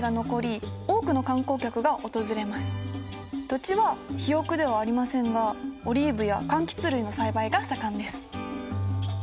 土地は肥沃ではありませんがオリーブやかんきつ類の栽培が盛んです。